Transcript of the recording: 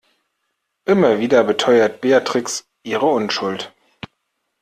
Immer wieder beteuert Beatrix ihre Unschuld.